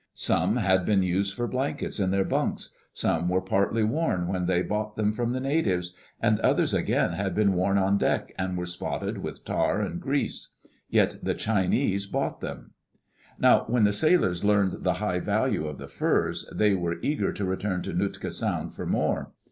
Some had been used for blankets in their bunks, some were partly worn when they bought them from the natives, and others again had been worn on deck and were spotted with tar and grease. Yet the Chinese bought them. Now when the sailors learned the high value of the furs, they were eager to return to Nootka Sound for more.